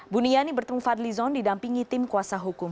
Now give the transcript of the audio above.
buniyani bertemu fadlizon didampingi tim kuasa hukum